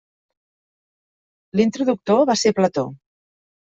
L'introductor va ser Plató.